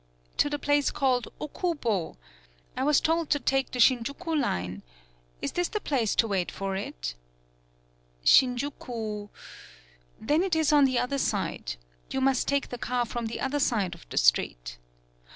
"To the place called Okubo. I was told to take the Shinjuku line. Is this the place to wait for it?" "Shinjuku. ... Then it is on the other side. You must take the car from the other side of the street."